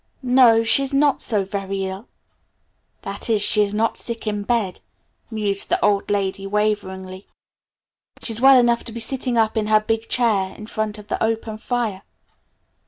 "No, she's not so very ill, that is, she's not sick in bed," mused the old lady waveringly. "She's well enough to be sitting up in her big chair in front of her open fire."